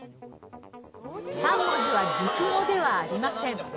３文字は熟語ではありません。